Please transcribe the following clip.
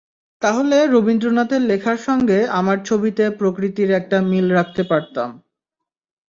তাহলে রবীন্দ্রনাথের লেখার সঙ্গে আমার ছবিতে প্রকৃতির একটা মিল রাখতে পারতাম।